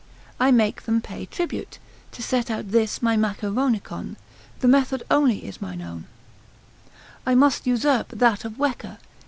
I make them pay tribute, to set out this my Maceronicon, the method only is mine own, I must usurp that of Wecker e Ter.